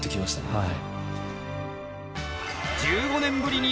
はい。